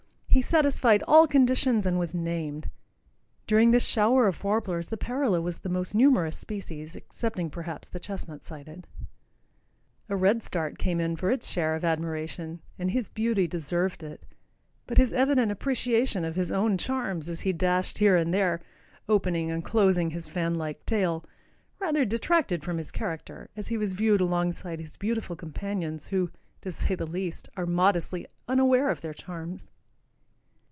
he satisfied all conditions, and was named! During this shower of warblers the parula was the most numerous species, excepting, perhaps, the chestnut sided. A redstart came in for its share of admiration, and his beauty deserved it, but his evident appreciation of his own charms as he dashed here and there, opening and closing his fan like tail, rather detracted from his character as he was viewed alongside his beautiful companions, who, to say the least, are modestly unaware of their charms.